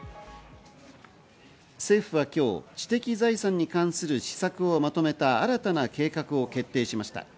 政府は今日、知的財産に関する施策をまとめた新たな計画を決定しました。